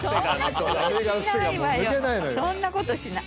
そんな事しない。